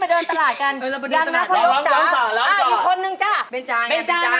ตั้งไม่หมดเท่านั้นนะ